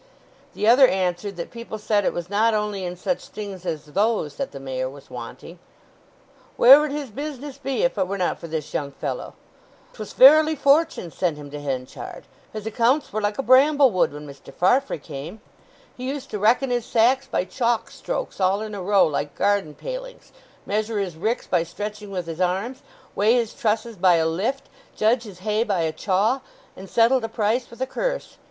The other answered that people said it was not only in such things as those that the Mayor was wanting. "Where would his business be if it were not for this young fellow? 'Twas verily Fortune sent him to Henchard. His accounts were like a bramblewood when Mr. Farfrae came. He used to reckon his sacks by chalk strokes all in a row like garden palings, measure his ricks by stretching with his arms, weigh his trusses by a lift, judge his hay by a chaw, and settle the price with a curse.